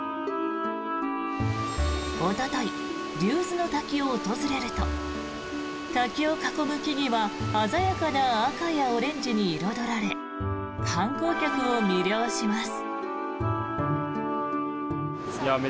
おととい、竜頭ノ滝を訪れると滝を囲む木々は鮮やかな赤やオレンジに彩られ観光客を魅了します。